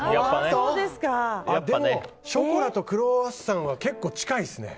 ショコラとクロワッサンは結構近いですね。